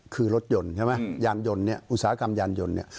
คือรถยนต์ใช่ไหมยานยนต์เนี่ยอุตสาหกรรมยานยนต์เนี่ย